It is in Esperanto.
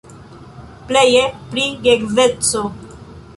Pleje pri geedzeco.